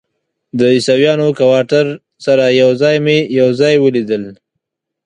د عیسویانو کوارټر سره یو ځای مې یو ځای ولیدل.